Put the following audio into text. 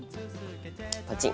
パチン。